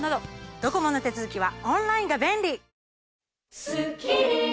ドコモの手続きはオンラインが便利！